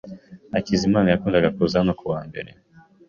Hakizimana yakundaga kuza hano kuwa mbere.